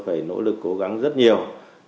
phải nỗ lực cố gắng rất nhiều